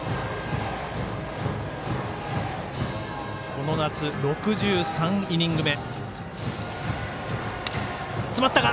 この夏、６３イニング目。